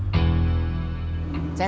mungkin telinga kamu kotor